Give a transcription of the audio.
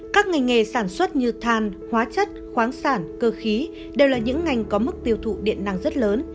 các ngành nghề sản xuất như than hóa chất khoáng sản cơ khí đều là những ngành có mức tiêu thụ điện năng rất lớn